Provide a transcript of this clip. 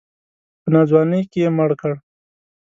په ناځواني کې یې مړ کړ.